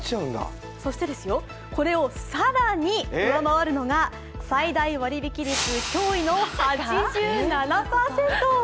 そして、これを更に上回るのは最大割引率驚異の８７％。